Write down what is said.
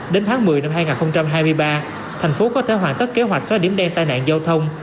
đến tháng một mươi năm hai nghìn hai mươi ba thành phố có thể hoàn tất kế hoạch xóa điểm đen tai nạn giao thông